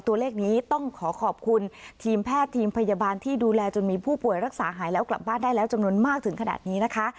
ตัวเลขนี้ต้องขอขอบคุณทีมแพทย์ทีมพยาบาลที่ดูแลจนมีผู้ป่วยรักษาหายแล้วกลับบ้านได้แล้วจำนวนมากถึงขนาดนี้นะคะ